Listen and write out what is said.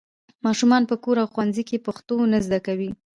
ماشومان په کور او ښوونځي کې پښتو نه زده کوي.